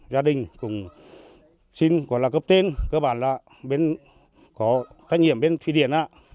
gia đình cũng xin gọi là cấp tên cơ bản là có thách nhiệm bên thủy điện